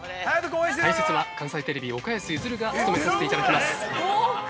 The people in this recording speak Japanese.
解説は、関西テレビ岡安譲が務めさせていただきます。